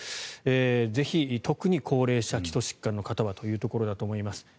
ぜひ特に高齢者、基礎疾患の方はというところだと思います。